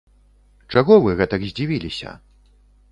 Чаго вы гэтак здзівіліся?